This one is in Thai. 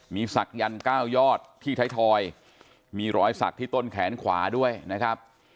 มีศักยันต์๙ยอดที่ไทยทอยมีรอยสักที่ต้นแขนขวาด้วยนะครับ